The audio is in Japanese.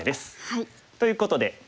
ということで。